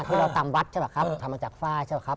ที่เราตามวัดใช่ป่ะครับทำมาจากฝ้าใช่ป่ะครับ